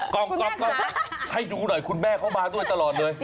กล้องก็ให้ดูหน่อยคุณแม่เขามาด้วยตลอดเลย